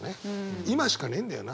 今しかねえんだよな。